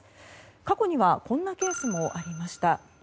過去にはこんなケースもありました。